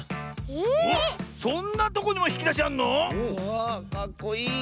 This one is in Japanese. かっこいい！